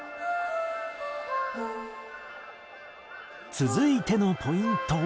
続いてのポイントは。